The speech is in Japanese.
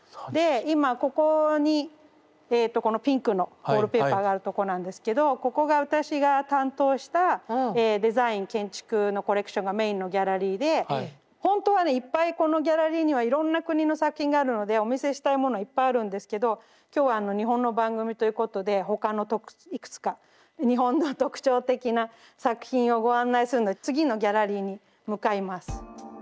３１。で今ここにえとこのピンクのウォールペーパーがあるとこなんですけどここが私が担当したデザイン建築のコレクションがメインのギャラリーでほんとはねいっぱいこのギャラリーにはいろんな国の作品があるのでお見せしたいものいっぱいあるんですけど今日は日本の番組ということで他のいくつか日本の特徴的な作品をご案内するのに次のギャラリーに向かいます。